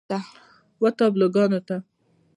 و تابلوګانو ته